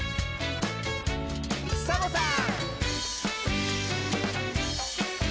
サボさん！